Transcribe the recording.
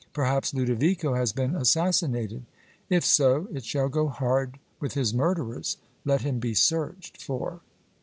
"Perhaps Ludovico has been assassinated! If so, it shall go hard with his murderers! Let him be searched for."